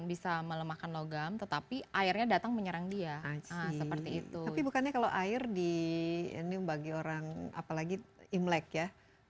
bisa melemahkan logam tetapi airnya datang menyerang dia seperti itu tapi bukannya kalau air di ini bagi orang apalagi imlek ya